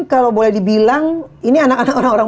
kalau boleh dibilang ini anak anak orang orang